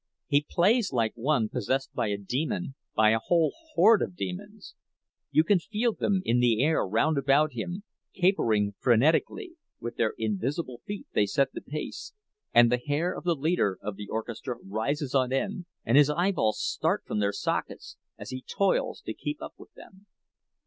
He plays like one possessed by a demon, by a whole horde of demons. You can feel them in the air round about him, capering frenetically; with their invisible feet they set the pace, and the hair of the leader of the orchestra rises on end, and his eyeballs start from their sockets, as he toils to keep up with them.